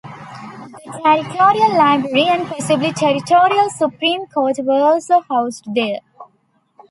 The Territorial Library and possibly Territorial Supreme Court were also housed there.